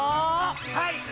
はい！